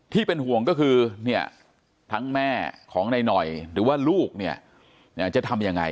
ที่เป็นห่วงก็คือเนี่ยทั้งแม่ของนายหน่อยหรือว่าลูกเนี่ยจะทำยังไง